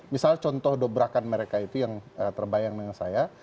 misal contoh dobrakan mereka itu yang terbayang dengan saya